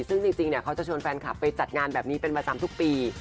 ซึ่งจริงเขาจะชวนแฟนคลับไปจัดงานแบบนี้เป็นประจำทุกปี